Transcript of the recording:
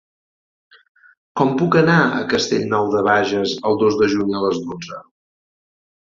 Com puc anar a Castellnou de Bages el dos de juny a les dotze?